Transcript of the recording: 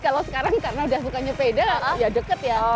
kalau sekarang karena udah suka nyepeda ya deket ya